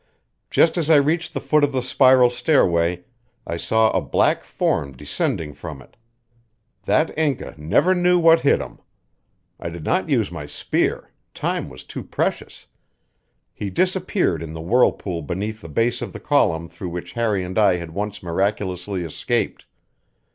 Just as I reached the foot of the spiral stairway I saw a black form descending from it. That Inca never knew what hit him. I did not use my spear; time was too precious. He disappeared in the whirlpool beneath the base of the column through which Harry and I had once miraculously escaped.